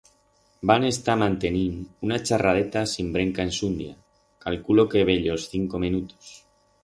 Vam estar mantenind una charradeta sin brenca ensundia, calculo que bellos cinco menutos.